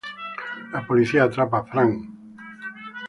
La policía atrapa a Frank Jr.